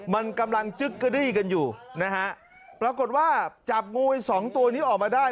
มันกำลังจึ๊กเกอรี่กันอยู่นะฮะปรากฏว่าจับงูไอ้สองตัวนี้ออกมาได้